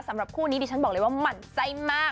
สำหรับคู่นี้ดิฉันบอกเลยว่าหมั่นใจมาก